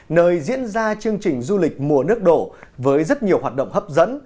nơi diễn ra chương trình du lịch mùa nước đổ với rất nhiều hoạt động hấp dẫn